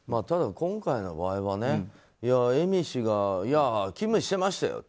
今回の場合は恵美氏がいや、勤務してましたよって。